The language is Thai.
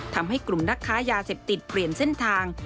ทำให้กลุ่มนักค้ายาเสพติดเปลี่ยนเส้นทาง